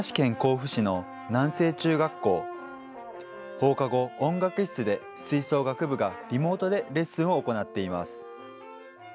放課後、音楽室で吹奏楽部がリモートでレッスンを行っています。